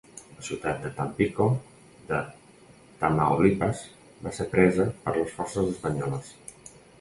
La ciutat de Tampico de Tamaulipas va ser presa per les forces espanyoles.